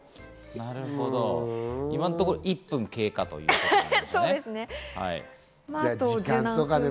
今のところ、１分経過ということです。